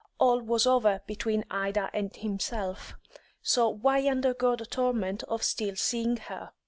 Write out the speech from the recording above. All was over between Ida and himself, so why undergo the torment of still seeing her.